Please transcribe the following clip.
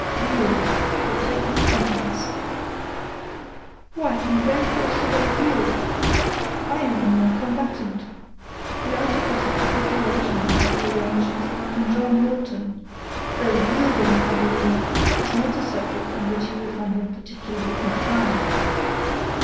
"Yield, or take its contents." "Why and wherefore should I yield?—I am a noncombatant. The articles of capitulation must be arranged with Captain John Lawton; though yielding, I believe, is not a subject on which you will find him particularly complying."